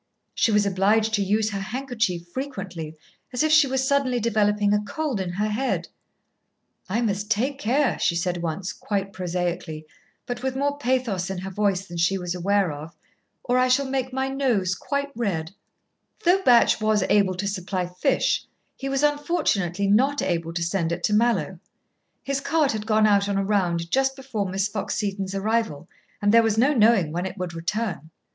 She was obliged to use her handkerchief frequently, as if she was suddenly developing a cold in her head. "I must take care," she said once, quite prosaically, but with more pathos in her voice than she was aware of, "or I shall make my nose quite red." [Illustration: The Marquis of Walderhurst] Though Batch was able to supply fish, he was unfortunately not able to send it to Mallowe. His cart had gone out on a round just before Miss Fox Seton's arrival, and there was no knowing when it would return.